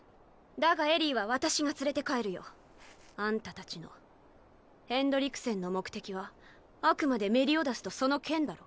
だがエリーは私が連れて帰るよ。あんたたちのヘンドリクセンの目的はあくまでメリオダスとその剣だろ？